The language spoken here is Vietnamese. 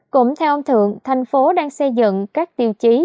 cũng theo ông thượng thành phố đang xây dựng các tiêu chí